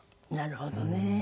なるほどね。